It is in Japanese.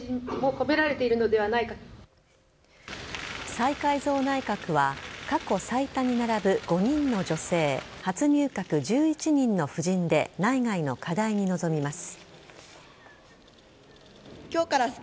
再改造内閣は過去最多に並ぶ５人の女性初入閣１１人の布陣で内外の課題に臨みます。